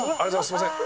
すみません。